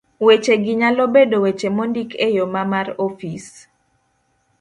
Wechegi nyalo bedo weche mondik e yo ma mar ofis